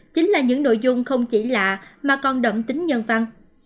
chính là những nội dung không chỉ lạ mà còn đậm tính nhân văn